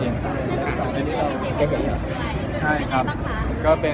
ซึ่งความรู้ในการใช้พลาสติกอย่างถูกกับอันดุลาภัมภาษา